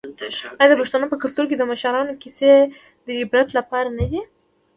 آیا د پښتنو په کلتور کې د مشرانو کیسې د عبرت لپاره نه دي؟